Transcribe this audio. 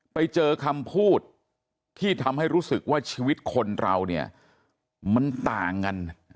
ไปเจอคำพูดที่ทำให้รู้สึกว่าชีวิตคนเราเนี่ยมันต่างกัน